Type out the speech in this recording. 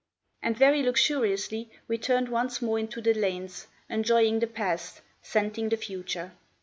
And very luxuriously we turned once more into the lanes, enjoying the past, scenting the future.